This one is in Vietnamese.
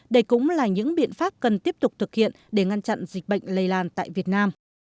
đây cũng là những biện pháp cần tiếp tục thực hiện để ngăn chặn dịch bệnh lây lan tại việt nam